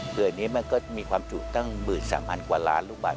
เผื่อนี้มันก็มีความจุตั้ง๑๓๐๐กว่าล้านลูกบาท